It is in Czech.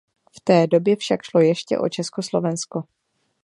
V té době však šlo ještě o Československo.